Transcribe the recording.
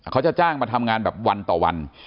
เขาจะจ้างมาทำงานแบบวันต่อวัน